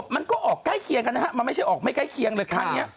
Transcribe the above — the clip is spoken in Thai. มันก็ออกใกล้เคียงกันนะฮะมันไม่ใช่ออกไม่ใกล้เคียงเลยครั้งนี้